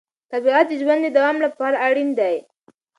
طبیعت د ژوند د دوام لپاره اړین دی